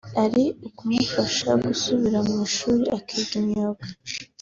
ari ukumufasha gusubira mu ishuri akiga imyuga